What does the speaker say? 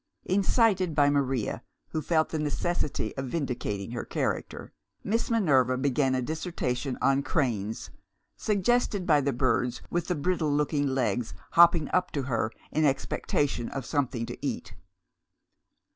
Incited by Maria (who felt the necessity of vindicating her character) Miss Minerva began a dissertation on cranes, suggested by the birds with the brittle looking legs hopping up to her in expectation of something to eat.